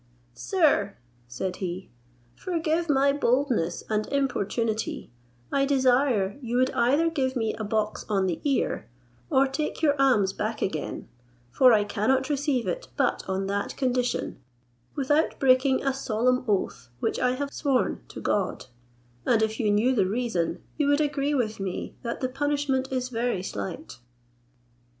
"Sir," said he, "forgive my boldness and importunity; I desire you would either give me a box on the ear, or take your alms back again, for I cannot receive it but on that condition, without breaking a solemn oath, which I have sworn to God; and if you knew the reason, you would agree with me that the punishment is very slight."